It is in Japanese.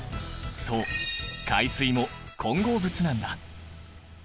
そう海水も混合物なんだ。